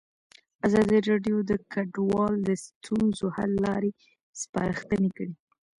ازادي راډیو د کډوال د ستونزو حل لارې سپارښتنې کړي.